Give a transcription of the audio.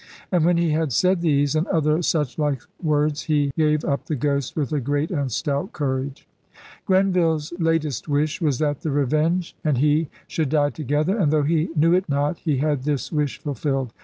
... And when he had said these and other suchlike words he gave up the ghost with a great and stout courage. ' Grenville*s latest wish was that the Revenge and 'THE ONE AND THE FIFTY THREE' 201 Ke should die together; and, though he knew it not, he had this wish fulfilled.